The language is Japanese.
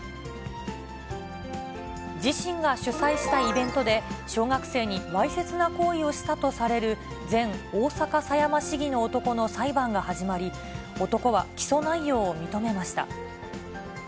自身が主催したイベントで、小学生にわいせつな行為をしたとされる前大阪狭山市議の男の裁判が始まり、男は起訴内容を認めました。